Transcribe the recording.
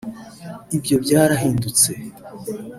ibyo byarahindutse